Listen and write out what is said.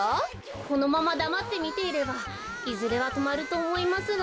このままだまってみていればいずれはとまるとおもいますが。